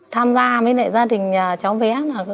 tham gia với lại gia đình nhà cháu bé